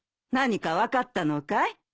何か分かったのかい？